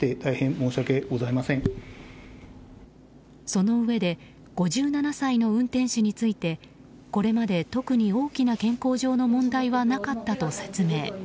そのうえで５７歳の運転手についてこれまで特に大きな健康上の問題はなかったと説明。